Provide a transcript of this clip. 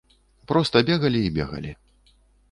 Проста бегалі і бегалі.